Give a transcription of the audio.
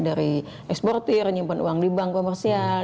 dari eksportir nyimpan uang di bank komersial